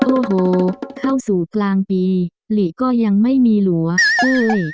โอ้โหเข้าสู่กลางปีหลีก็ยังไม่มีหลัวเอ้ย